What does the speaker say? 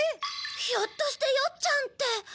ひょっとしてよっちゃんって。